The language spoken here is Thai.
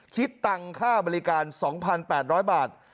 ตังค่าบริการ๒๘๐๐บาท